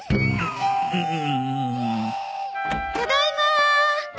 ただいま。